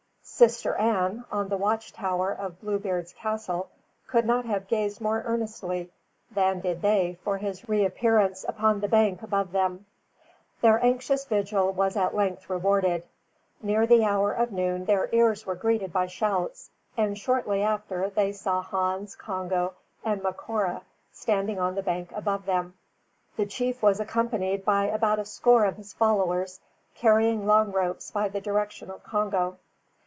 "Sister Ann" on the watch tower of Bluebeard's castle could not have gazed more earnestly than did they for his reappearance upon the bank above them. Their anxious vigil was at length rewarded. Near the hour of noon their ears were greeted by shouts, and shortly after they saw Hans, Congo, and Macora standing on the bank above them. The chief was accompanied by about a score of his followers, carrying long ropes by the direction of Congo.